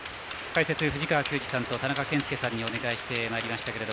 解説は藤川球児さんと田中賢介さんにお願いしました。